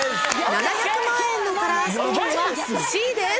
７００万円のカラーストーンはＣです。